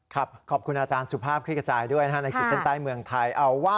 ครับขอบคุณอาจารย์สุภาพคลิกกระจายด้วยฮศศเมืองไทย